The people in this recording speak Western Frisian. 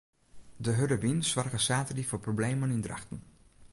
De hurde wyn soarge saterdei foar problemen yn Drachten.